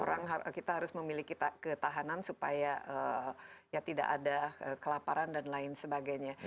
orang kita harus memiliki ketahanan supaya ya tidak ada kelaparan dan lain sebagainya